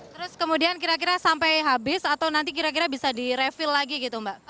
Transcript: terus kemudian kira kira sampai habis atau nanti kira kira bisa di refill lagi gitu mbak